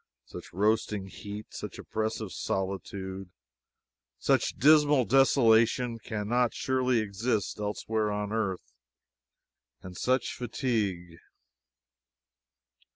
Such roasting heat, such oppressive solitude, and such dismal desolation can not surely exist elsewhere on earth. And such fatigue!